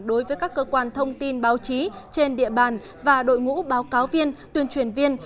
đối với các cơ quan thông tin báo chí trên địa bàn và đội ngũ báo cáo viên tuyên truyền viên